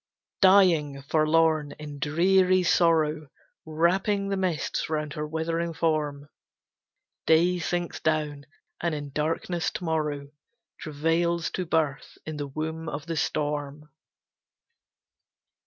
Dying, forlorn, in dreary sorrow, Wrapping the mists round her withering form, Day sinks down; and in darkness to morrow Travails to birth in the womb of the storm.